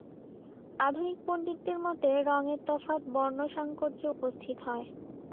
আধুনিক পণ্ডিতদের মতে রঙের তফাত বর্ণসাঙ্কর্যে উপস্থিত হয়।